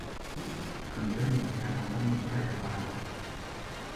Көндәр матурайғандан-матурая бара.